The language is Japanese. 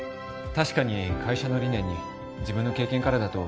確かに会社の理念に自分の経験からだと